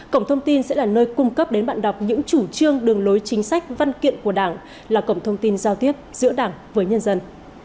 cổng thông tin sẽ là nơi cung cấp đến bạn đọc những chủ trương đường lối chính sách văn kiện của đảng là cổng thông tin giao tiếp giữa đảng với nhân dân